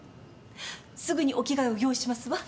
すぐにお着替えを用意しますわ。